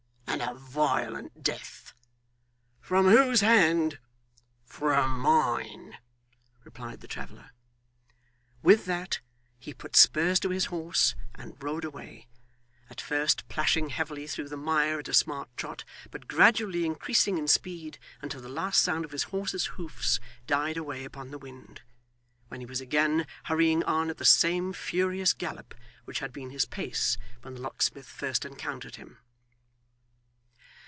and a violent death.' 'From whose hand?' 'From mine,' replied the traveller. With that he put spurs to his horse, and rode away; at first plashing heavily through the mire at a smart trot, but gradually increasing in speed until the last sound of his horse's hoofs died away upon the wind; when he was again hurrying on at the same furious gallop, which had been his pace when the locksmith first encountered him.